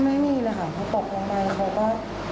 ไม่มีเลยค่ะพอตกลงไปเขาก็